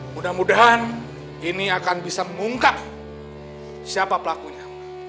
mudah mudahan ini akan bisa mengungkap siapa pelakunya